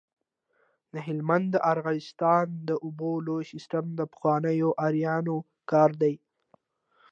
د هلمند د ارغستان د اوبو لوی سیستم د پخوانیو آرینو کار دی